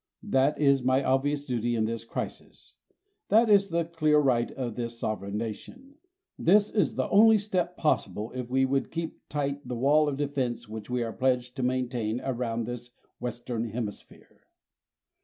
That is my obvious duty in this crisis. That is the clear right of this sovereign nation. This is the only step possible, if we would keep tight the wall of defense which we are pledged to maintain around this Western Hemisphere.